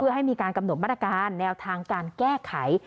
ให้มีการกำหนดมาตรการแนวทางการแก้ไข